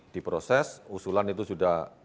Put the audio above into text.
di proses usulan itu sudah